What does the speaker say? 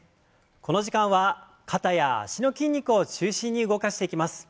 この時間は肩や脚の筋肉を中心に動かしていきます。